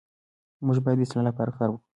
موږ باید د اصلاح لپاره کار وکړو.